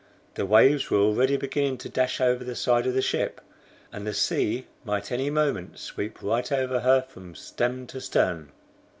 The waves were already beginning to dash over the side of the ship, and the sea might any moment sweep right over her from stem to stern.